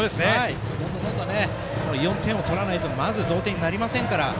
どんどん４点を取らないとまず同点になりませんから。